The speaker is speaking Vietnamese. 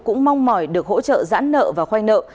cũng mong mỏi được hỗ trợ giãn nợ và khoanh nợ